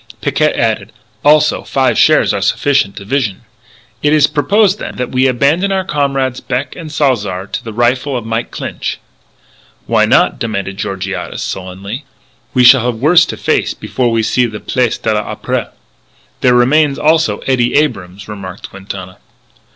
Picquet added: "Also five shares are sufficient division." "It is propose, then, that we abandon our comrades Beck and Salzar to the rifle of Mike Clinch?" "Why not?" demanded Georgiades sullenly; "we shall have worse to face before we see the Place de l'Opéra." "There remains, also, Eddie Abrams," remarked Quintana.